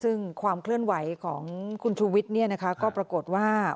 ซึ่งความเคลื่อนไหวของคุณชูวิทย์ก็ปรากฏว่า